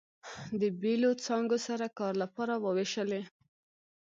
د بېلو څانګو سره کار لپاره ووېشلې.